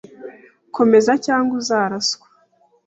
Komeza, cyangwa uzaraswa.